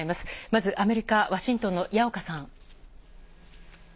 まずアメリカ・ワシントンの矢岡さん。